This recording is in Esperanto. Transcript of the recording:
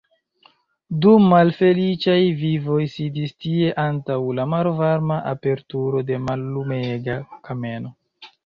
Du malfeliĉaj vivoj sidis tie antaŭ la malvarma aperturo de mallumega kameno.